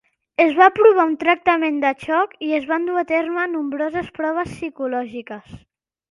Es va provar un tractament de xoc i es van dur a terme nombroses proves psicològiques.